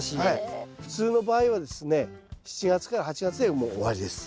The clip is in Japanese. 普通の場合はですね７月から８月でもう終わりです。